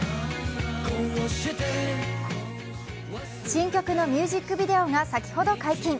新曲のミュージックビデオが先ほど解禁。